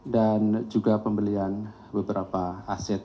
dan juga pembelian beberapa aset